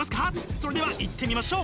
それではいってみましょう！